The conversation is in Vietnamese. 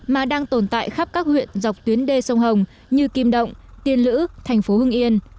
mà đang tồn tại khắp các huyện dọc tuyến đê sông hồng như kim động tiên lữ thành phố hưng yên